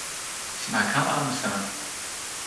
sina kama anu seme?